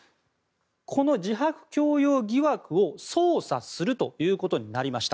この自白強要疑惑を捜査するということになりました。